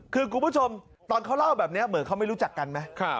คือคุณผู้ชมตอนเขาเล่าแบบนี้เหมือนเขาไม่รู้จักกันไหม